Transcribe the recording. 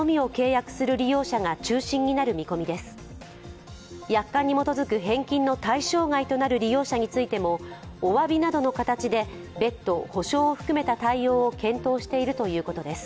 約款に基づく返金の対象外となる利用者についてもお詫びなどの形で補償を含めた対応を検討しているということです。